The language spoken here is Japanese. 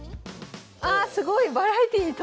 あすごい！